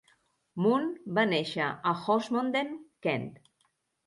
Moon va néixer a Horsmonden, Kent.